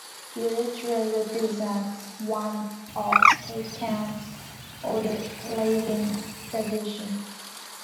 The ritual represents one of Cape Town's oldest living traditions.